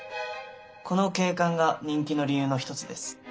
この景観が人気の理由の一つです。